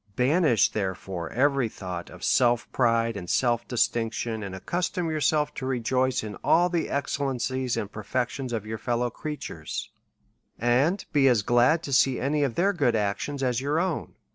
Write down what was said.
Banish, tlierefore, every thought of self pride, ind self distinction, and accustom yourself to rejoice in all the excellencies and perfections of your fellow crea tures, and be as glad to see any of their good actions, as your own.